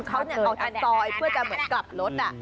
เขาเนี่ยเอาอันต่อเพื่อกลับรถอะ